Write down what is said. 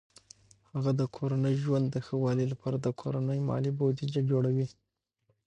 هغه د کورني ژوند د ښه والي لپاره د کورني مالي بودیجه جوړوي.